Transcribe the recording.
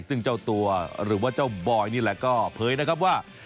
ซึ่งเจ้าตัวหรือว่าเจ้าบอยนี่แหละก็เผยนะครับว่า